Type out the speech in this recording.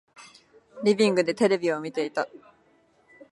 リビングでテレビを見ていた。